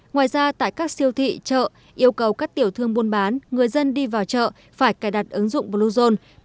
ngoài ra tại các siêu thị chợ yêu cầu các tiểu thương buôn bán người dân đi vào chợ phải cài đặt ứng dụng bluezone